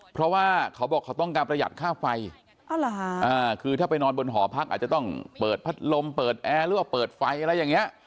เพราะว่าเขาบอกเขาต้องการประหยัดค่าไฟคือถ้าไปนอนบนหอพักอาจจะต้องเปิดพัดลมเปิดแอร์หรือว่าเปิดไฟอะไรอย่างนี้